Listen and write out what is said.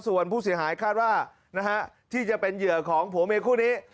ส่วนผู้เสียหายคาดว่านะฮะที่จะเป็นเหยื่อของผัวเมียคู่นี้